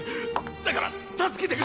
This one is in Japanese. だから助けてくれ。